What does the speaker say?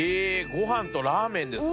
ご飯とラーメンですか。